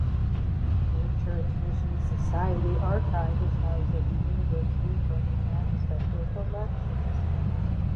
The Church Mission Society Archive is housed at the University of Birmingham Special Collections.